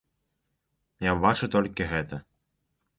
Я бачу толькі гэта.